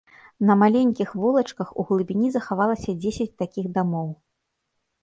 На маленькіх вулачках у глыбіні захавалася дзесяць такіх дамоў.